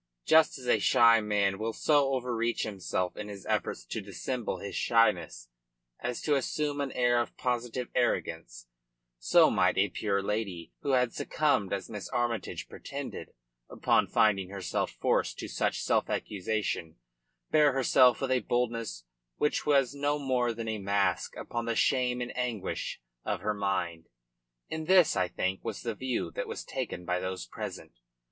Just as a shy man will so overreach himself in his efforts to dissemble his shyness as to assume an air of positive arrogance, so might a pure lady who had succumbed as Miss Armytage pretended, upon finding herself forced to such self accusation, bear herself with a boldness which was no more than a mask upon the shame and anguish of her mind. And this, I think, was the view that was taken by those present.